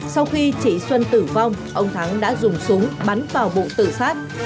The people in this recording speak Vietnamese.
sau khi chỉ xuân tử vong ông thắng đã dùng súng bắn vào bộ tử sát